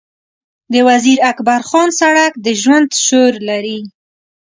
د وزیر اکبرخان سړک د ژوند شور لري.